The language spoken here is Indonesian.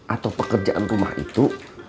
atau pekerjaan rumah itu